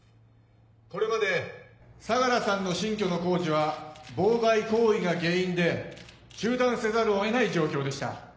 これまで相良さんの新居の工事は妨害行為が原因で中断せざるを得ない状況でした。